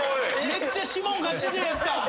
めっちゃ士門ガチ勢やった。